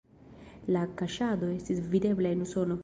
La kaŝado estis videbla en Usono.